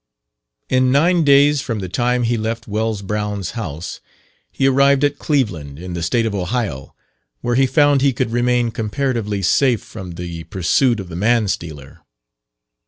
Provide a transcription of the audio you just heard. In nine days from the time he left Wells Brown's house, he arrived at Cleveland, in the State of Ohio, where he found he could remain comparatively safe from the pursuit of the man stealer.